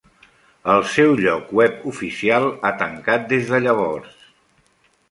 El seu lloc web oficial ha tancat des de llavors.